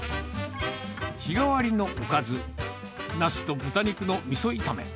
日替わりのおかず、ナスと豚肉のみそ炒め。